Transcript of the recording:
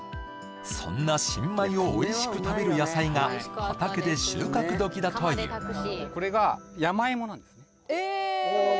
そんな新米をおいしく食べる野菜が畑で収穫どきだというえーっ